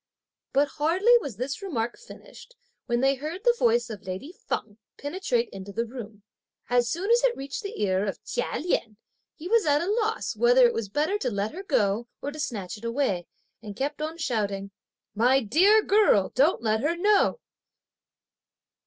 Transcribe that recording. But hardly was this remark finished, when they heard the voice of lady Feng penetrate into the room. As soon as it reached the ear of Chia Lien, he was at a loss whether it was better to let her go or to snatch it away, and kept on shouting, "My dear girl! don't let her know."